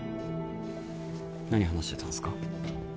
何話してたんですか？